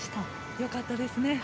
よかったですね。